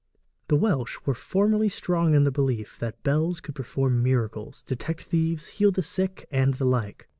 The Welsh were formerly strong in the belief that bells could perform miracles, detect thieves, heal the sick, and the like.